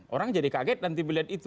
orang jadi kaget nanti melihat itu